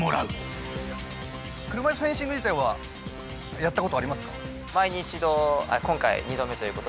車いすフェンシング自体はやったことはありますか？